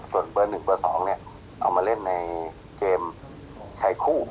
ส่วนเบอร์๑๒เอามาเล่นในเกมใช้คู่